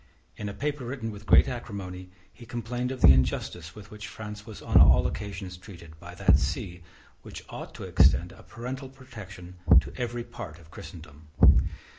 In a paper written with great acrimony he complained of the injustice with which France was on all occasions treated by that See which ought to extend a parental protection to every part of Christendom.